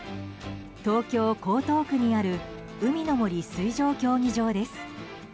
東京・江東区にある海の森水上競技場です。